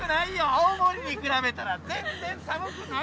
青森に比べたら全然寒くない！